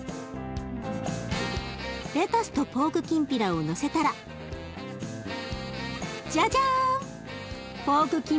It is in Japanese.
レタスとポークきんぴらをのせたらジャジャーン！